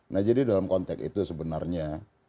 nah jadi dalam konteks itu sebenarnya